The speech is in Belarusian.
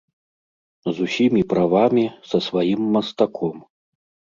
З усімі правамі, са сваім мастаком.